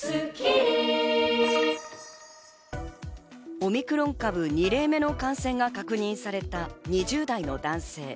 オミクロン株、２例目の感染が確認された２０代の男性。